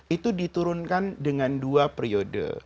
itu diturunkan dengan dua periode